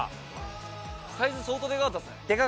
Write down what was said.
サイズ相当デカかったですか？